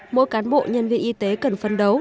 mỗi cán bộ nhân viên y tế cần phân đấu